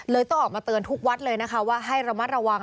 ต้องออกมาเตือนทุกวัดเลยนะคะว่าให้ระมัดระวัง